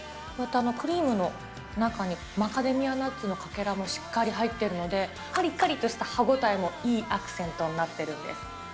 こうやってクリームの中にマカダミアナッツのかけらもしっかり入ってるので、かりかりとした歯応えもいいアクセントになってるんです。